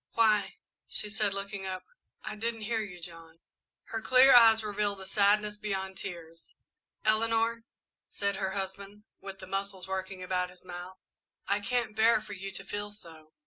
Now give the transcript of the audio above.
"Why," she said, looking up, "I didn't hear you, John." Her clear eyes revealed a sadness beyond tears. "Eleanor," said her husband, with the muscles working about his mouth, "I can't bear for you to feel so."